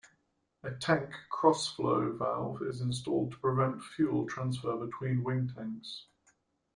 A tank cross-flow valve is installed to prevent fuel transfer between wing tanks.